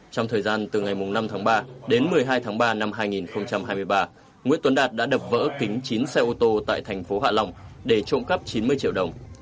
trong thời gian từ ngày năm tháng ba đến một mươi hai tháng ba năm hai nghìn hai mươi ba nguyễn tuấn đạt đã đập vỡ kính chín xe ô tô tại thành phố hạ long để trộm cắp chín mươi triệu đồng